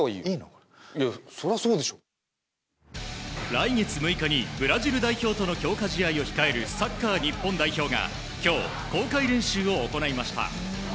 来月８日にブラジル代表との試合を控えるサッカー日本代表が今日、公開練習を行いました。